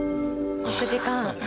６時間。